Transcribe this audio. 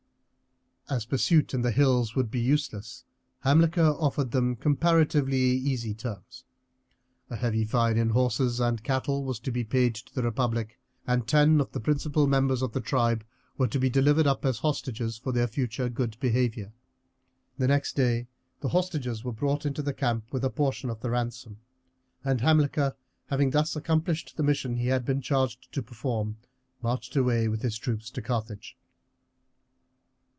As pursuit in the hills would be useless Hamilcar offered them comparatively easy terms. A heavy fine in horses and cattle was to be paid to the republic, and ten of the principal members of the tribe were to be delivered up as hostages for their future good behaviour. The next day the hostages were brought into the camp with a portion of the ransom; and Hamilcar, having thus accomplished the mission he had been charged to perform, marched away with his troops to Carthage.